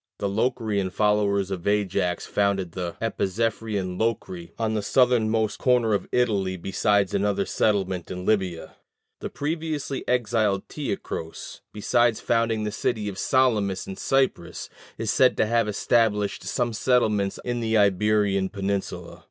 The Locrian followers of Ajax founded the Epizephyrian Locri on the southernmost corner of Italy, besides another settlement in Libya. The previously exiled Teucros, besides founding the city of Salamis in Cyprus, is said to have established some settlements in the Iberian peninsula.